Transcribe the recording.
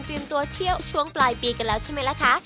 เตรียมตัวเที่ยวช่วงปล่อยปีกันแล้วใช่มั้ยล่ะค่ะ